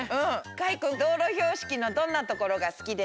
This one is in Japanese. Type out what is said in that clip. かいくんどうろひょうしきのどんなところがすきですか？